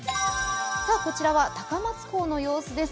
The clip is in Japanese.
こちらは高松港の様子です。